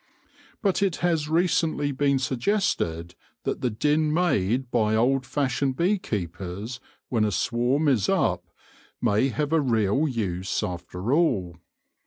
But it has recently been suggested that the din made by old fashioned bee keepers when a swarm is up may have a real use after all.